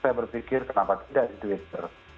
saya berpikir kenapa tidak di twitter